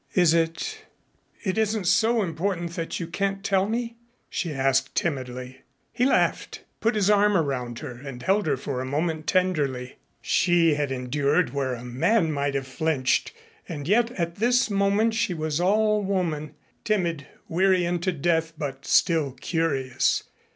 "Is it it isn't so important that you can't tell me?" she asked timidly. He laughed, put his arm around her and held her for a moment tenderly. She had endured where a man might have flinched, and yet at this moment she was all woman timid, weary unto death, but still curious.